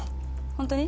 ホントに？